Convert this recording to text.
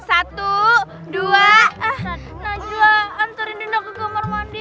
satu dua eh najua anturin dinda ke kamar mandi yuk